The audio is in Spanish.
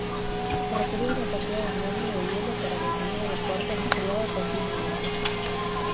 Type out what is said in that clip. Se requería una cantidad enorme de hielo para mantener el cuarto enfriado continuamente.